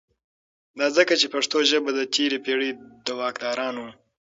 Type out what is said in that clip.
دا ځکه چې پښتو ژبه د تیری پیړۍ دواکدارانو